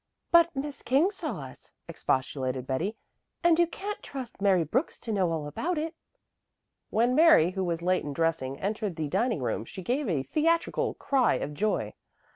"But Miss King saw us," expostulated Betty, "and you can trust Mary Brooks to know all about it." When Mary, who was late in dressing, entered the dining room, she gave a theatrical cry of joy.